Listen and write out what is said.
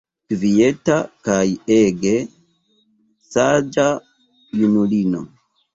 Kvieta kaj ege saĝa junulino.